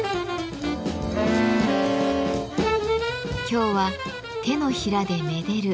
今日は手のひらでめでる